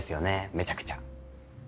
めちゃくちゃ。